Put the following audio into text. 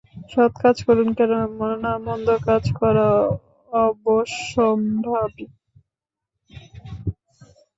সৎ কাজ করুন, কেননা, মন্দ কাজ করা অবশ্যম্ভাবী।